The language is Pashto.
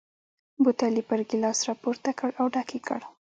بوتل یې پر ګیلاس را پورته کړ او ډک یې کړ.